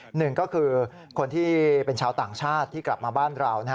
หนึ่งก็คือคนที่เป็นชาวต่างชาติที่กลับมาบ้านเรา